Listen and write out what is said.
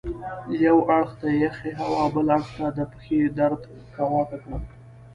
یوه اړخ ته یخې هوا او بل اړخ ته د پښې درد کاواکه کړم.